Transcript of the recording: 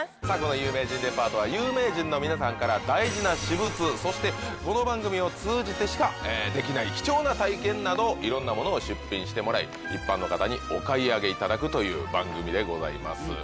さあこの『有名人デパート』は有名人の皆さんから大事な私物そしてこの番組を通じてしかできない貴重な体験などいろんなものを出品してもらい一般の方にお買い上げいただくという番組でございます。